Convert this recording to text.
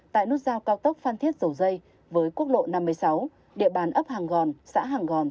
tại nút giao cao tốc phan thiết dầu dây với quốc lộ năm mươi sáu địa bàn ấp hàng gòn xã hàng gòn